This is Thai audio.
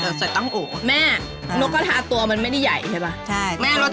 รสชาติเค็ม